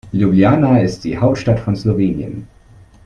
Ljubljana ist die Hauptstadt von Slowenien.